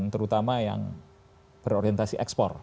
terutama yang berorientasi ekspor